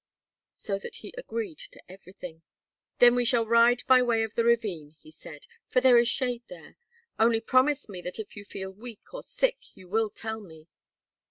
so that he agreed to everything. "Then we shall ride by way of the ravine," he said, "for there is shade there. Only promise me that if you feel weak or sick, you will tell me."